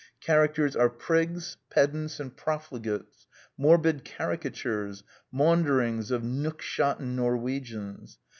... Characters are prigs, pedants, and profligates. •.. Morbid caricatures. ... Maunderings of nookshotten Norwegians.